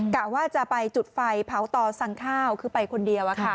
กะว่าจะไปจุดไฟเผาต่อสั่งข้าวคือไปคนเดียว